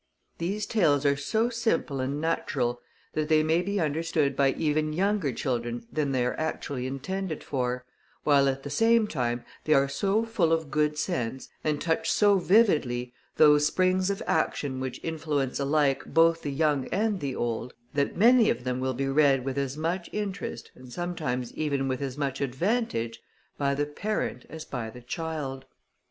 These Tales are so simple and natural, that they may be understood by even younger children than they are actually intended for, while at the same time they are so full of good sense, and touch so vividly those springs of action which influence alike both the young and the old, that many of them will be read with as much interest, and sometimes even with as much advantage, by the parent as by the child.